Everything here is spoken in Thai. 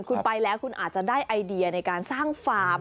คุณไปแล้วคุณอาจจะได้ไอเดียในการสร้างฟาร์ม